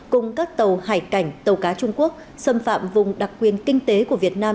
cùng các tàu hải cảnh tàu cá trung quốc xâm phạm vùng đặc quyền kinh tế của việt nam